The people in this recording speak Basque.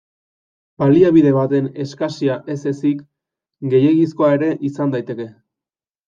Baliabide baten eskasia ez ezik, gehiegizkoa ere izan daiteke.